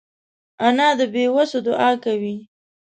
انا د بېوسو دعا کوي